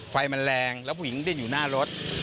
ไฟมันแรงแล้วผู้หญิงดิ้นอยู่หน้ารถ